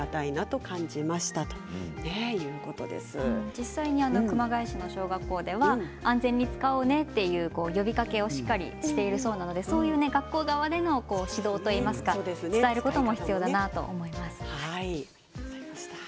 実際に熊谷市の小学校では安全に使おうねと呼びかけをしっかりしているそうなのでそういう学校側での指導といいますか伝えることも必要だなと思います。